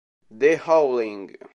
The Howling